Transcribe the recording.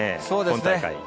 そうですね。